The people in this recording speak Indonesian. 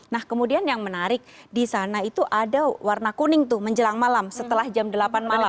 nah kemudian yang menarik di sana itu ada warna kuning tuh menjelang malam setelah jam delapan malam